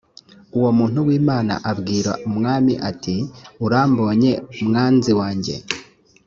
uwo muntu w imana abwira umwami ati urambonye mwanzi wanjye